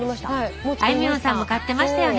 あいみょんさんも買ってましたよね